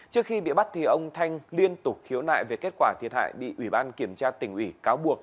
trước khi bị bắt ông thanh liên tục khiếu nại về kết quả thiệt hại bị ủy ban kiểm tra tỉnh ủy cáo buộc